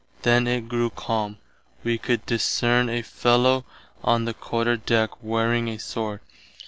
Then it grew calme. Wee could discerne a fellow on the Quarter Deck wearing a sword.